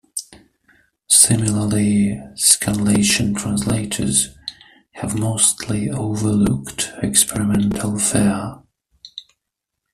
Similarly, scanlation translators have mostly overlooked experimental fare.